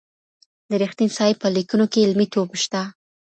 د رښتین صاحب په لیکنو کي علمي توب شته.